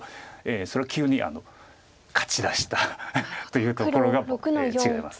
それ急に勝ちだしたというところが違います。